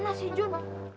mana sih jun